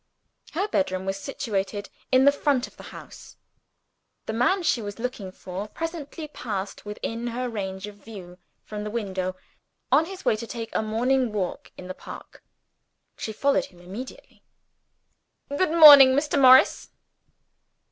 Her bedroom was situated in the front of the house. The man she was looking for presently passed within her range of view from the window, on his way to take a morning walk in the park. She followed him immediately. "Good morning, Mr. Morris."